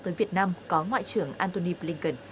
tới việt nam có ngoại trưởng antony blinken